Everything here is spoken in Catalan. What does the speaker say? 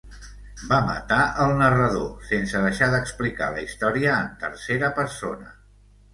Va matar el narrador, sense deixar d'explicar la història en tercera persona.